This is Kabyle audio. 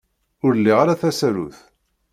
Ur liɣ ara tasarut.